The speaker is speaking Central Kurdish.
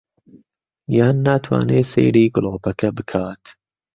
یان ناتوانێ سەیری گڵۆپەکە بکات